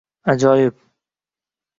Ajoyib.